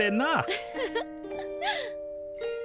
ウフフ。